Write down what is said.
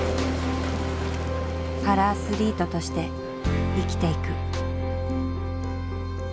パラアスリートとして生きていく。